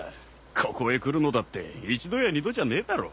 ここへ来るのだって一度や二度じゃねえだろ。